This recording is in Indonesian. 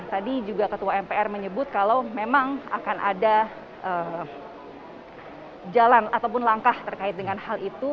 tadi juga ketua mpr menyebut kalau memang akan ada jalan ataupun langkah terkait dengan hal itu